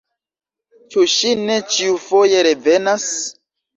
Ĉu ŝi ne ĉiufoje revenas?